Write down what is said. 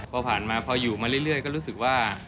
พอผ่านมาพออยู่มาเรื่อยก็รู้สึกว่า